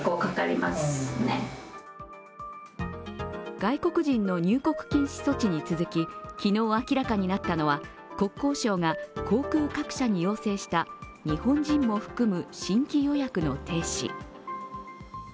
外国人の入国禁止措置に続き昨日明らかになったのは国交省が航空各社に要請した日本人も含む新規予約の停止。